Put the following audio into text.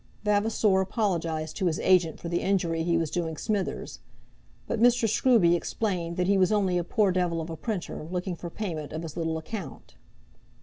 Vavasor apologized to his agent for the injury he was doing Smithers; but Mr. Scruby explained that he was only a poor devil of a printer, looking for payment of his little account.